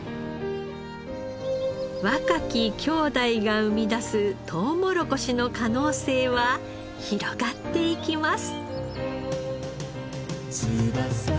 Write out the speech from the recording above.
若き兄弟が生み出すとうもろこしの可能性は広がっていきます。